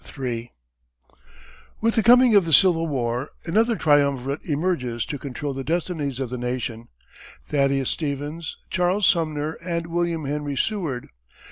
With the coming of the Civil War, another triumvirate emerges to control the destinies of the nation Thaddeus Stevens, Charles Sumner and William Henry Seward.